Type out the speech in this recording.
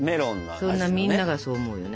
そんなみんながそう思うよね。